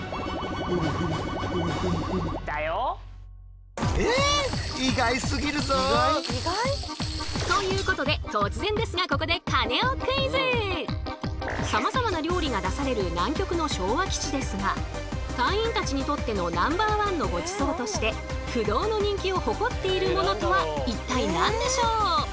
金額にするとということで突然ですがここでさまざまな料理が出される南極の昭和基地ですが隊員たちにとってのナンバーワンのごちそうとして不動の人気を誇っているものとは一体何でしょう？